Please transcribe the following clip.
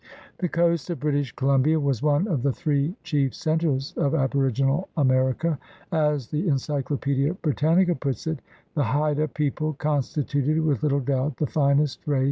The coast of British Columbia was one of the three chief centers of aboriginal America. As The Encyclopoedia Britannica' puts it: "The Haida people constituted with little doubt the finest race I 11th Edition, vol.